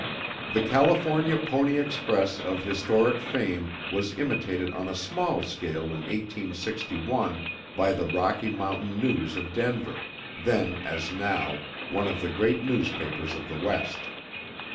The California Pony Express of historic fame was imitated on a small scale in 1861 by the Rocky Mountain News of Denver, then, as now, one of the great newspapers of the West.